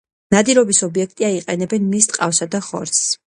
ნადირობის ობიექტია, იყენებენ მის ტყავსა და ხორცს.